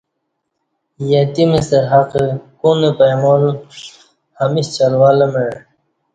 یتیم ستہ حق کونہ پائمال ہمیشہ چل ول مع